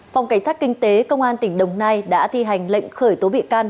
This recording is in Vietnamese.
phòng cảnh sát kinh tế công an tỉnh đồng nai đã thi hành lệnh khởi tố bị can